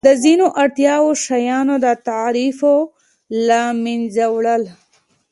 د ځینو اړینو شیانو د تعرفو له مینځه وړل.